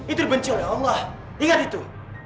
itu dibenci oleh allah ingat itu